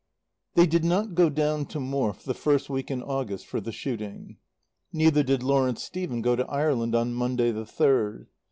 XIX They did not go down to Morfe the first week in August for the shooting. Neither did Lawrence Stephen go to Ireland on Monday, the third.